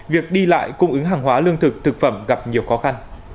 việc đi lại cung ứng hàng hóa lương thực thực phẩm gặp nhiều khóa